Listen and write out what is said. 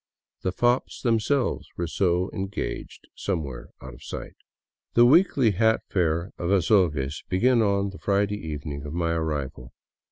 The fops themselves were so engaged somewhere out of sight. The weekly hat fair of Azogues began on the Friday evening of my arrival.